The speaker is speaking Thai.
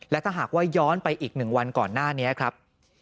และถ้าหากว่าย้อนไปอีก๑วันก่อนหน้านี้ครับ